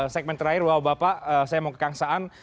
segmen terakhir bapak bapak saya mau ke kang saan